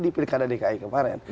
di pilkada dki kemarin